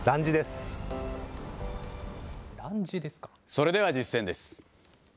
それでは実践です。